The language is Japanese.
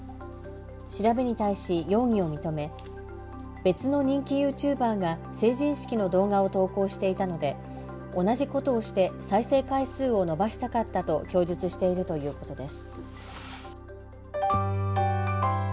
調べに対し容疑を認め、別の人気ユーチューバーが成人式の動画を投稿していたので同じことをして再生回数を伸ばしたかったと供述しているということです。